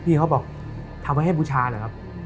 พี่เขาบอกทำไว้ให้บูชาเหรอครับ